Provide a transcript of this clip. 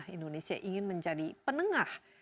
indonesia ingin menjadi penengah